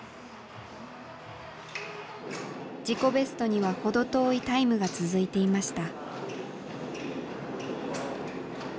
自己ベストには程遠いタイムが続いていました。